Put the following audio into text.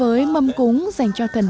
còn với mâm cúng dành cho thần nước